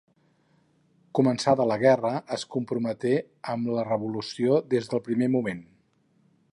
Començada la guerra, es comprometé amb la revolució des del primer moment.